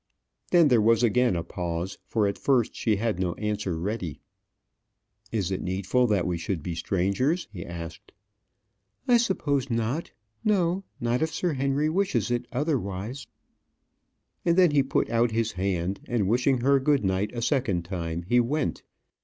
Then there was again a pause; for at first she had no answer ready. "Is it needful that we should be strangers?" he asked. "I suppose not; no; not if Sir Henry wishes it otherwise." And then he put out his hand, and wishing her good night a second time, he went.